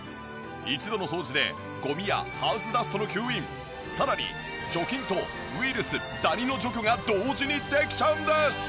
一度の掃除でゴミやハウスダストの吸引さらに除菌とウイルス・ダニの除去が同時にできちゃうんです！